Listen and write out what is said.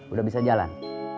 udah bisa jalan